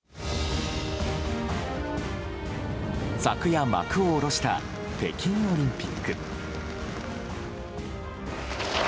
昨夜、幕を下ろした北京オリンピック。